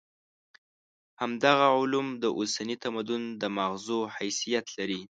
همدغه علوم د اوسني تمدن د ماغزو حیثیت لري.